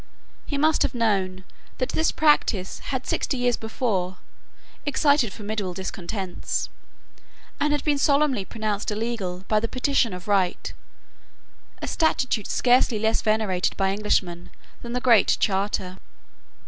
He must have known that this practice had sixty years before excited formidable discontents, and had been solemnly pronounced illegal by the Petition of Right, a statute scarcely less venerated by Englishmen than the Great Charter.